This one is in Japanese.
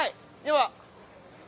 では。